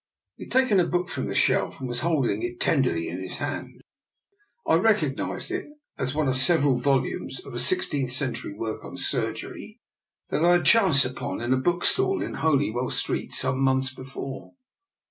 " He had taken a book from the shelf, and was holding it tenderly in his hand. I rec ognised it as one of several volumes of a six 12 DR. NIKOLA'S EXPERIMENT. teenth century work on Surgery that I had chanced upon on a bookstall in Holywell Street some months before.